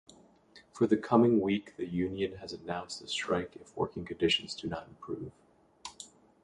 For the coming week, the union has announced a strike if working conditions do not improve.